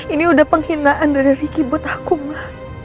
ini udah penghinaan dari riki buat aku mbak